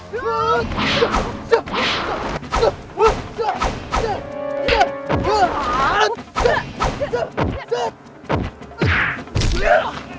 tidak ada apa apa